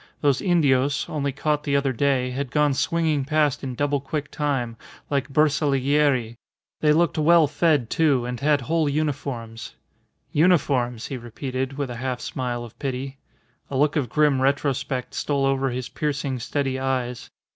Those Indios, only caught the other day, had gone swinging past in double quick time, like bersaglieri; they looked well fed, too, and had whole uniforms. "Uniforms!" he repeated with a half smile of pity. A look of grim retrospect stole over his piercing, steady eyes.